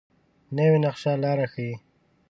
نوې نقشه لاره ښيي